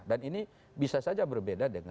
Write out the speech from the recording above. dan ini bisa saja berbeda dengan secara spesifik ya